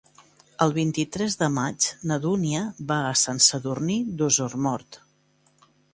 El vint-i-tres de maig na Dúnia va a Sant Sadurní d'Osormort.